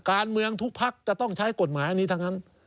การเมืองทุกภักดิ์จะต้องใช้กฎหมายอันนี้ทั้งนั้น